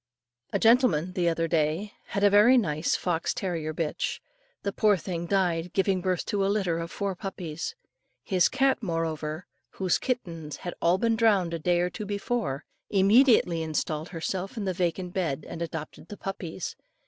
A gentleman, the other day, had a very nice fox terrier bitch. The poor thing died giving birth to a litter of four puppies. His cat, however, whose kittens had been all drowned a day or too before, immediately installed herself in the vacant bed and adopted the puppies.